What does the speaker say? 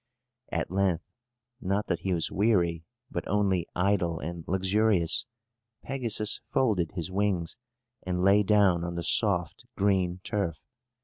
At length not that he was weary, but only idle and luxurious Pegasus folded his wings, and lay down on the soft green turf.